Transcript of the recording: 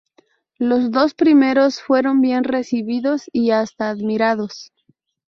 Los dos primeros fueron bien recibidos y hasta admirados.